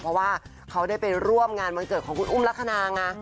เพราะว่าเขาได้ไปร่วมงานวันเกิดของคุณอุ้มลักษณะไง